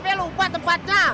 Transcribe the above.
mengapa si jepang